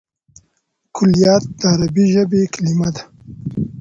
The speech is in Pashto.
کلیات د عربي ژبي کليمه ده.